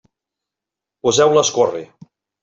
Poseu-la a escórrer.